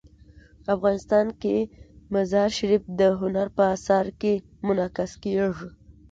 افغانستان کې مزارشریف د هنر په اثار کې منعکس کېږي.